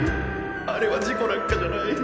あれは事故なんかじゃない。